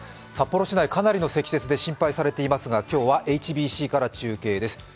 札幌市内、かなりの積雪で心配されていますが、今日はＨＢＣから中継です。